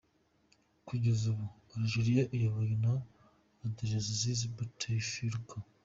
Kugeza ubu Algeria iyobowe na Abdelaziz Bouteflika.